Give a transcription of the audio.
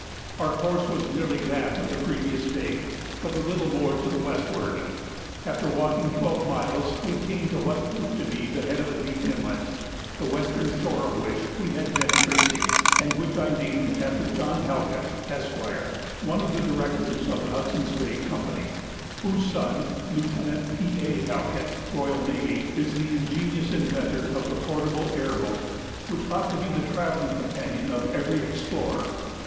Our course was nearly that of the previous day, but a little more to the westward. After walking twelve miles we came to what proved to be the head of a deep inlet, the western shore of which we had been tracing, and which I named after John Halkett, Esq., one of the Directors of the Hudson's Bay Company, whose son (Lieut. P. A. Halkett, R.N.,) is the ingenious inventor of the portable air boat, which ought to be the travelling companion of every explorer.